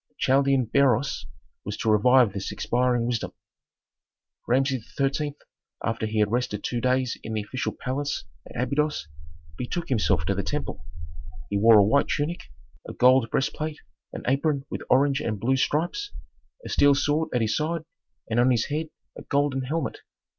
The Chaldean Beroes was to revive this expiring wisdom. Rameses XIII., after he had rested two days in the official palace at Abydos, betook himself to the temple. He wore a white tunic, a gold breastplate, an apron with orange and blue stripes, a steel sword at his side and on his head a golden helmet.